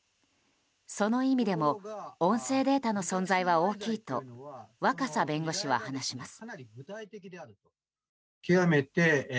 その意味でも音声データの存在は大きいと若狭弁護士は話します。